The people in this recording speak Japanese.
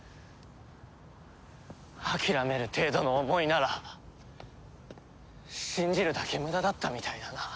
諦める程度の思いなら信じるだけ無駄だったみたいだな。